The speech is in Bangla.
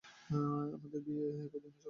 আমাদের বিয়ে একই দিনে হবে।